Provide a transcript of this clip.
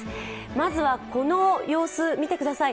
まずは、この様子見てください。